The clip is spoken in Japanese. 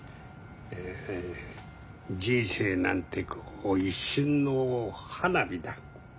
人生なんてこう一瞬の花火だ。